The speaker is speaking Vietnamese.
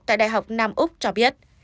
tại đại học nam úc cho biết